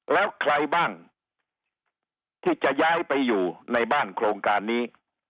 แล้วใครบ้างที่จะย้ายไปอยู่ในบ้านโครงการนี้